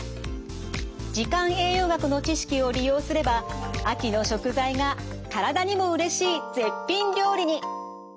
時間栄養学の知識を利用すれば秋の食材が体にもうれしい絶品料理に！